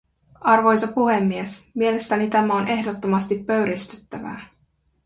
Arvoisa puhemies, mielestäni tämä on ehdottomasti pöyristyttävää.